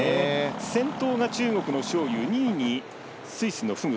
先頭が中国の章勇２位、スイスのフグ。